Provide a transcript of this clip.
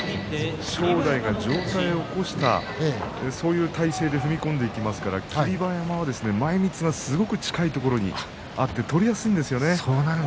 正代が上体を起こしたそういう体勢で踏み込んできますから霧馬山は前みつがすごく近いところになって取りやすいんですよね。